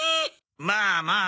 まあまあ。